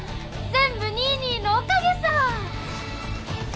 全部ニーニーのおかげさ！